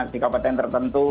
di kabupaten tertentu